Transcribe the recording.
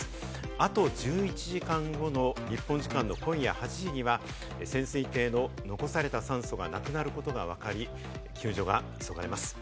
あと１１時間後の日本時間の今夜８時には、潜水艇の残された酸素がなくなることがわかり、救助が急がれます。